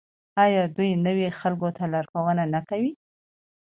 آیا دوی نویو خلکو ته لارښوونه نه کوي؟